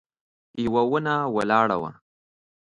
يوه ونه ولاړه وه.